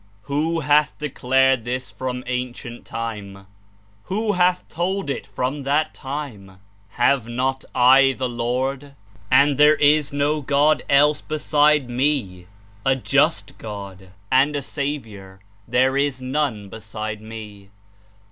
''JFho hath declared this from ancient time? JVho hath told it from that time? Have not I the LoRD.^ and there is no God else beside 7ne; a just God and a Saviour; there is none beside me.